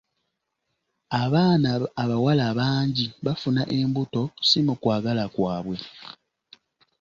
Abaana abawala bangi bafuna embuto si mu kwagala kwabwe.